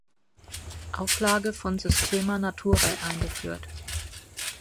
Auflage von Systema Naturae eingeführt.